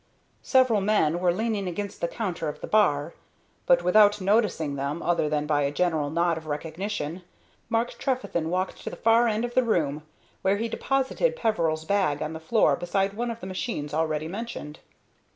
Several men were leaning against the counter of the bar; but without noticing them other than by a general nod of recognition, Mark Trefethen walked to the far end of the room, where he deposited Peveril's bag on the floor beside one of the machines already mentioned.